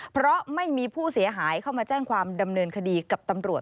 เพราะไม่มีผู้เสียหายเข้ามาแจ้งความดำเนินคดีกับตำรวจ